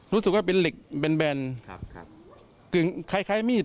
รู้สึกว่าเป็นเหล็กแบนคล้ายมีด